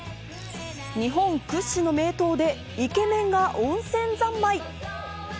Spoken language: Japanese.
日本屈指の名湯でイケメンが温泉三昧。